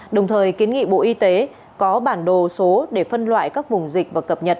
đồng thời kiến nghị bộ y tế có bản đồ số để phân loại các vùng dịch và cập nhật